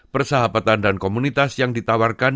persahabatan dan komunitas yang ditawarkan